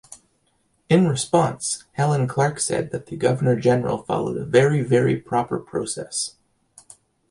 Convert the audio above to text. In response, Helen Clark said that the Governor-General followed a "very, very proper process".